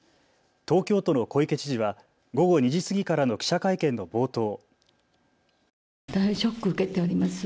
東京都の小池知事は午後２時過ぎからの記者会見の冒頭。